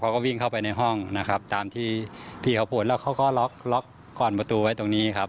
เขาก็วิ่งเข้าไปในห้องนะครับตามที่พี่เขาพูดแล้วเขาก็ล็อกล็อกก่อนประตูไว้ตรงนี้ครับ